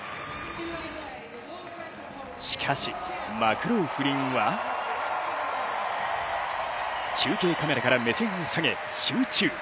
しかし、マクローフリンは中継カメラから目線を下げ集中。